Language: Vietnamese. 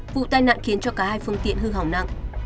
vụ tai nạn khiến cho cả hai phương tiện hư hỏng nặng